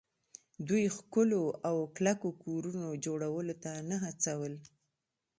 دوی ښکلو او کلکو کورونو جوړولو ته نه هڅول